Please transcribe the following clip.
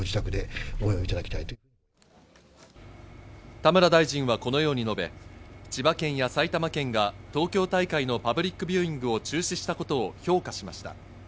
田村大臣はこのように述べ、千葉県や埼玉県が東京大会のパブリックビューイングを中止したことを評価しました。